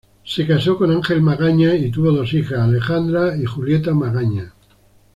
Se casó con Ángel Magaña y tuvo dos hijas, Alejandra y Julieta Magaña.